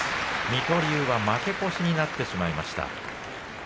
水戸龍は負け越しになってしまいました。